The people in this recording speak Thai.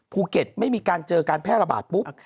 ไม่มีการเจอการแพร่ระบาดปุ๊บ